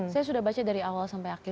saya sudah baca dari awal sampai akhir